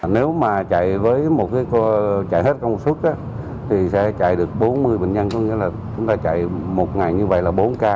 nếu mà chạy hết công suất thì sẽ chạy được bốn mươi bệnh nhân có nghĩa là chúng ta chạy một ngày như vậy là bốn ca